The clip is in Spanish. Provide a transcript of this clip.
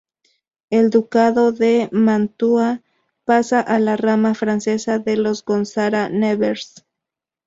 El Ducado de Mantua pasa a la rama francesa de los Gonzaga-Nevers.